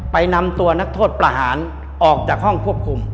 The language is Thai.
ไปนำตัวนักโทษประหารออกจากห้องควบคุม